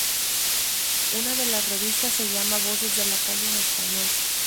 Una de las revistas se llama Voces de la Calle, en español.